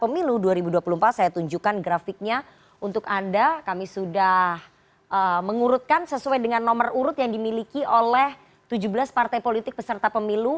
mengurutkan sesuai dengan nomor urut yang dimiliki oleh tujuh belas partai politik peserta pemilu